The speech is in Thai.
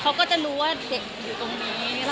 เขาก็จะรู้ว่าเด็กอยู่ตรงนี้